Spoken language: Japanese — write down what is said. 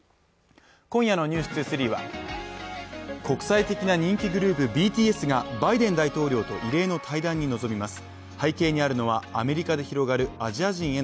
今夜の「ｎｅｗｓ２３」は国際的な人気グループＢＴＳがバイデン大統領と異例の対談に臨みます。